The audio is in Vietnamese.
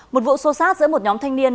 một vụ xô xát giữa một nhóm thanh niên